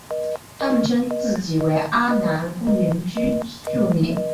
他们称自己为阿男姑原住民。